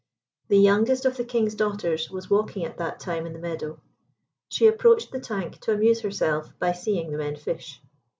The youngest of the King's daughters was walking at that time in the meadow. She approached the tank to amuse herself by seeing the men fish.